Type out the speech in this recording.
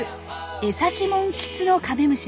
エサキモンキツノカメムシです。